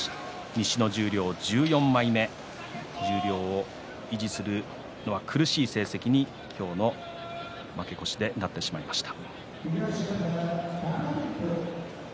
西の十両１４枚目十両を維持するのが苦しい成績に今日の負けでなってしまいました。